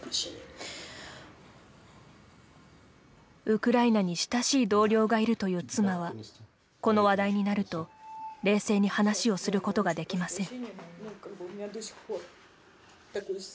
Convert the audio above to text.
ウクライナに親しい同僚がいるという妻はこの話題になると冷静に話をすることができません。